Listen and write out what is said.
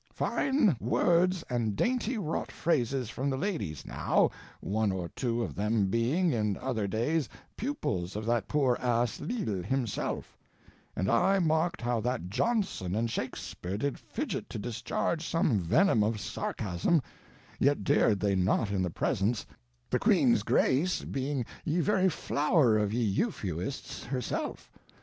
Fine words and dainty wrought phrases from the ladies now, one or two of them being, in other days, pupils of that poor ass, Lille, himself; and I marked how that Jonson and Shaxpur did fidget to discharge some venom of sarcasm, yet dared they not in the presence, the queene's grace being ye very flower of ye Euphuists herself.